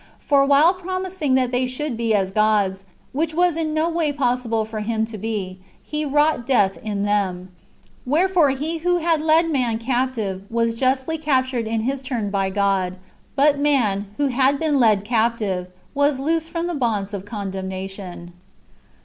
For, while promising that they should be as gods, which was in no way possible for him to be, he wrought death in them : wdierefore he who had led man captive, was justly captured in his turn by God ; but man, who had been led captive, was loosed from the bonds of condemnation.